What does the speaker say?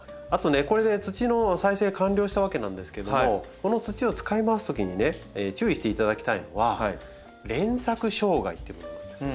これで土の再生完了したわけなんですけどもこの土を使い回すときにね注意していただきたいのは「連作障害」というものなんです。